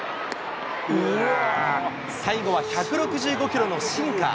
最後は１６５キロのシンカー。